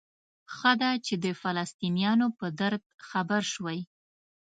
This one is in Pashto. ښه ده چې د فلسطینیانو په درد خبر شوئ.